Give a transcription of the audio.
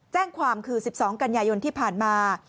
แจ้งความคือ๑๒กันยายนที่ผ่านมา